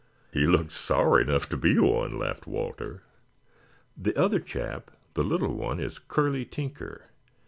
"He looks sour enough to be one," laughed Walter. "The other chap, the little one, is Curley Tinker.